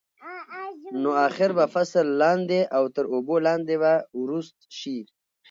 نو اخر به فصل لاندې او تر اوبو لاندې به وروست شي.